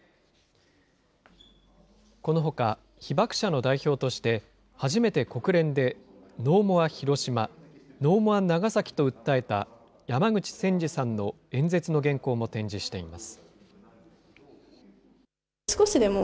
このほか、被爆者の代表として、初めて国連で、ノーモアヒロシマノーモアナガサキと訴えた山口仙二さんの演説の原稿も展示しています。